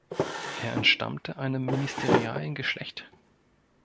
Er entstammte einem Ministerialengeschlecht.